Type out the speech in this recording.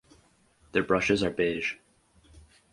Their brushes are beige.